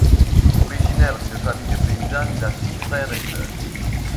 Originaire d'une famille paysanne, il a six frères et sœurs.